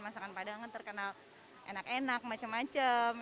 masakan padang kan terkenal enak enak macem macem